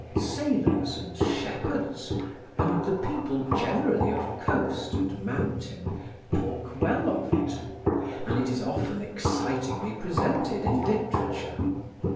Sailors and shepherds, and the people generally of coast and mountain, talk well of it; and it is often excitingly presented in literature.